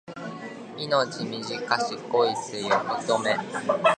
命短し恋せよ乙女